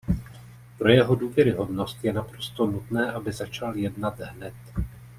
Pro jeho důvěryhodnost je naprosto nutné, aby začal jednat hned.